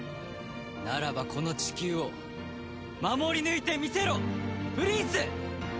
ならばこの地球を守り抜いてみせろプリンス！